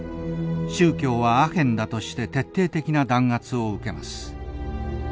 「宗教はアヘンだ」として徹底的な弾圧を受けます。